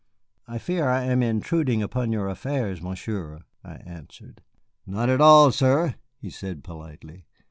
"I fear that I am intruding upon your affairs, Monsieur," I answered. "Not at all, sir," he said politely.